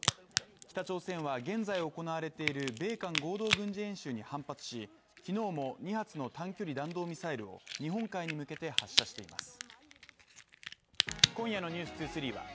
北朝鮮は現在行われている米韓合同軍事演習に反発しきのうも２発の短距離弾道ミサイルを日本海に向けて発射しています